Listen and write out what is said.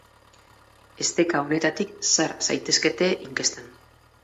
Esteka honetatik sar zaitezkete inkestan.